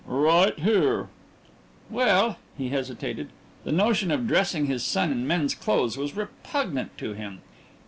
"Right here." "Well " He hesitated. The notion of dressing his son in men's clothes was repugnant to him.